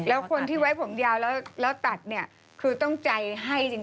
แล้วคนที่ไว้ผมยาวแล้วตัดเนี่ยคือต้องใจให้จริง